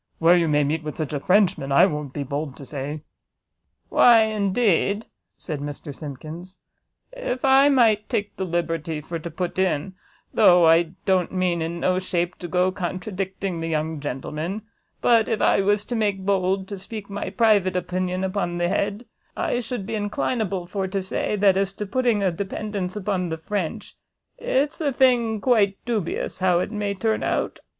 where you may meet with such a Frenchman, I won't be bold to say." "Why indeed," said Mr Simkins, "if I might take the liberty for to put in, though I don't mean in no shape to go to contradicting the young gentleman, but if I was to make bold to speak my private opinion upon the head, I should be inclinable for to say, that as to putting a dependance upon the French, it's a thing quite dubious how it may turn out."